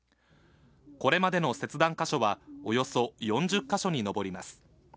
これまでの切断箇所は、およそ４０か所に上ります。